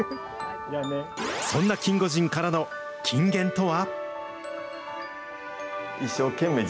そんなキンゴジンからの金言とは。